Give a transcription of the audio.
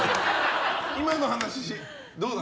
今の話、どうだった？